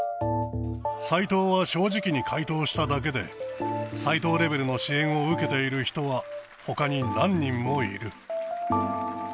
斎藤は正直に回答しただけで、斎藤レベルの支援を受けている人は、ほかに何人もいる。